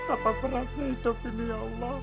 apa peratnya hidup ini ya allah